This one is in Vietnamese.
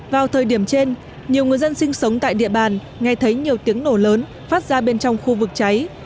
vào thời điểm trên nhiều người dân sinh sống tại địa bàn nghe thấy nhiều tiếng nổ lớn phát ra bên trong khu vực cháy